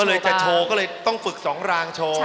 ก็เลยจะโชว์ก็เลยต้องฝึก๒รางโชว์